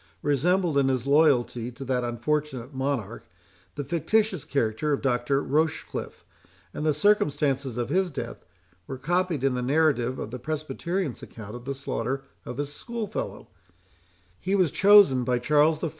resembled, in his loyalty to that unfortunate monarch, the fictitious character of Dr. Rochecliffe; and the circumstances of his death were copied in the narrative of the Presbyterian's account of the slaughter of his school fellow;—he was chosen by Charles I.